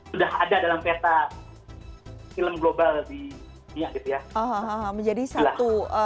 sudah ada dalam peta film global di dunia gitu ya